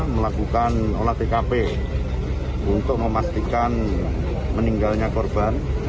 melakukan olah tkp untuk memastikan meninggalnya korban